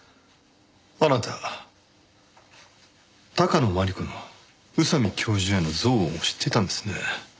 あなた高野鞠子の宇佐美教授への憎悪も知っていたんですね。